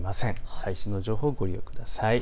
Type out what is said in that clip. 最新の情報をご利用ください。